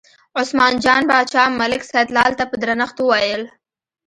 عثمان جان باچا ملک سیدلال ته په درنښت وویل.